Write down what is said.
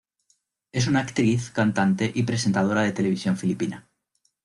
Es una actriz, cantante y presentadora de televisión filipina.